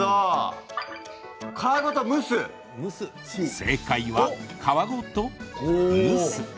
正解は、皮ごと蒸す。